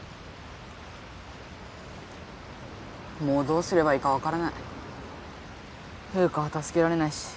もうどうすればいいかわからない。